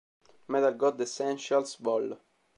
Metal God Essentials, Vol.